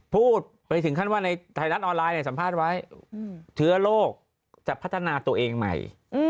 พูดไปถึงขั้นว่าในไทยรัฐออนไลน์สัมภาษณ์ไว้เชื้อโรคจะพัฒนาตัวเองใหม่